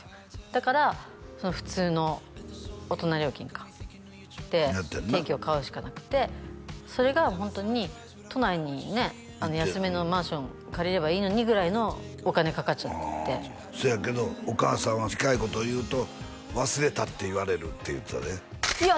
だから普通の大人料金で定期を買うしかなくてそれがホントに都内にね安めのマンション借りればいいのにぐらいのお金かかっちゃってそやけどお母さんは近いことを言うと忘れたって言われるって言うてたでいや